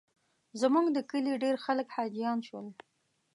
زموږ د کلي ډېر خلک حاجیان شول.